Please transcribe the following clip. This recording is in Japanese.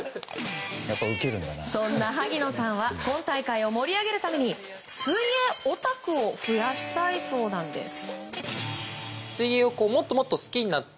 そんな萩野さんは今大会を盛り上げるために水泳オタクを増やしたいそうなんです。